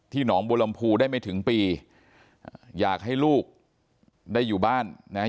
หนองบัวลำพูได้ไม่ถึงปีอ่าอยากให้ลูกได้อยู่บ้านนะฮะ